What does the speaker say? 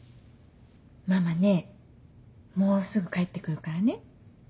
ママねもうすぐ帰ってくるからね。